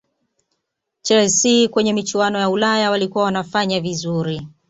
Chelsea kwenye michuano ya Ulaya walikuwa wanafanya vizuri